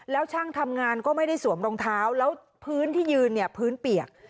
แล้วช่างทำงานก็ไม่ได้สวมรองเท้าแล้วพื้นที่ยืนเนี่ยพื้นเปียก